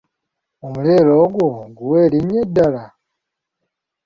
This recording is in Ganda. Omuleera ogwo guwe erinnya eddala?